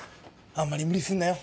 あんまり無理すんなよ。